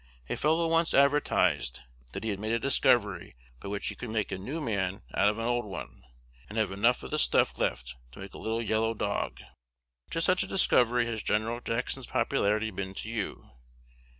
A fellow once advertised that he had made a discovery by which he could make a new man out of an old one, and have enough of the stuff left to make a little yellow dog. Just such a discovery has Gen. Jackson's popularity been to you.